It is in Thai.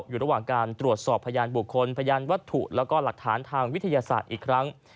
อยู่ระหว่างการตรวจสอบพยานบุคคลพยานวัตถุแล้วก็หลักฐานทางวิทยาศาสตร์อีกครั้ง